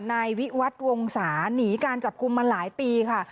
นายวิวัตรวงศาหนีการจับกลุ่มมาหลายปีค่ะ